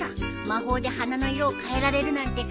魔法で花の色を変えられるなんて